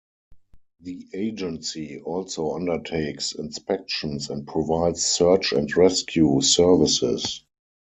The agency also undertakes inspections and provides search and rescue services.